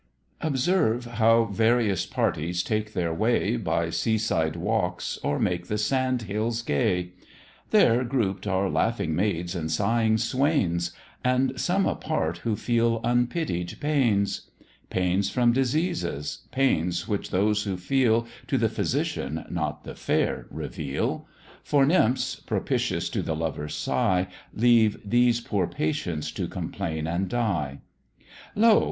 Observe how various Parties take their way, By seaside walks, or make the sand hills gay; There group'd are laughing maids and sighing swains, And some apart who feel unpitied pains; Pains from diseases, pains which those who feel, To the physician, not the fair, reveal: For nymphs (propitious to the lover's sigh) Leave these poor patients to complain and die. Lo!